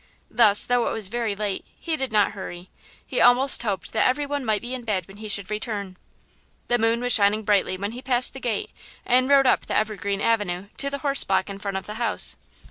Thus, though it was very late, he did not hurry; he almost hoped that every one might be in bed when he should return. The moon was shining brightly when he passed the gate and rode up the evergreen avenue to the horse block in front of the house.